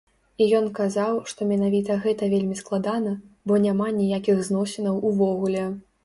І ён казаў, што менавіта гэта вельмі складана, бо няма ніякіх зносінаў увогуле.